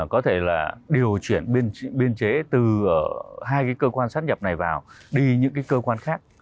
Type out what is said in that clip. có thể là điều chuyển biên chế từ hai cái cơ quan sát nhập này vào đi những cái cơ quan khác